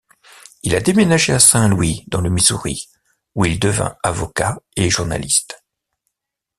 Il a déménagé à Saint-Louis dans le Missouri, où il devint avocat et journaliste.